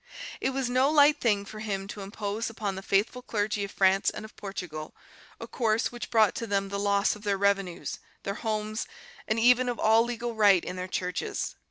It was no light thing for him to impose upon the faithful clergy of France and of Portugal a course which brought to them the loss of their revenues, their homes, and even of all legal right in their churches.